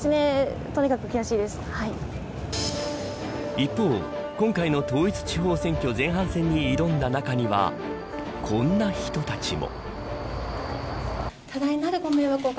一方、今回の統一地方選挙戦前半戦に挑んだ中にはこんな人たちも。